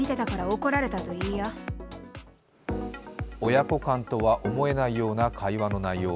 親子間とは思えないような会話の内容。